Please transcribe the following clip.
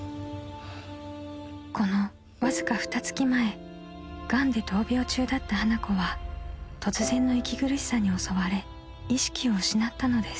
［このわずかふた月前がんで闘病中だった花子は突然の息苦しさに襲われ意識を失ったのです］